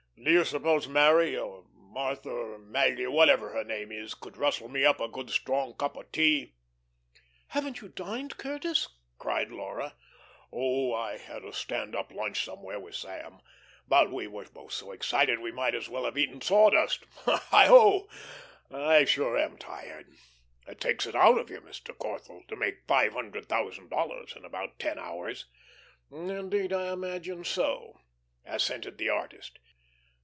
Do you suppose Mary, or Martha, or Maggie, or whatever her name is, could rustle me a good strong cup of tea. "Haven't you dined, Curtis?" cried Laura. "Oh, I had a stand up lunch somewhere with Sam. But we were both so excited we might as well have eaten sawdust. Heigho, I sure am tired. It takes it out of you, Mr. Corthell, to make five hundred thousand in about ten hours." "Indeed I imagine so," assented the artist.